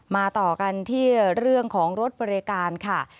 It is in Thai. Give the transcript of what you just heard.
ต่อกันที่เรื่องของรถบริการค่ะ